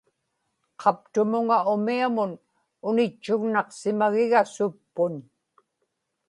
qaptumuŋa umiamun unitchugnaqsimagiga suppun